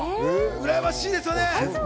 うらやましいですよね。